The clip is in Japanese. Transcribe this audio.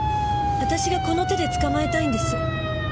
私がこの手で捕まえたいんです。